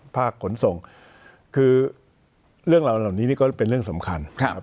ขนส่งคือเรื่องเหล่านี้นี่ก็เป็นเรื่องสำคัญครับ